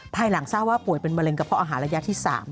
ภายหลังทราบว่าป่วยเป็นมะเร็งกระเพาะอาหารระยะที่๓